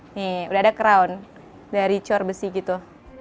ini sudah ada crown dari cor besi gitu